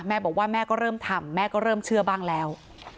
แม่บอกว่าแม่ก็เริ่มทำแม่ก็เริ่มเชื่อบ้างแล้ว